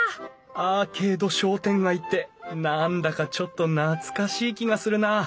アーケード商店街って何だかちょっと懐かしい気がするな。